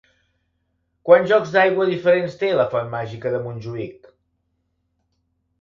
Quants jocs d'aigua diferents té la Font màgica de Montjuïc?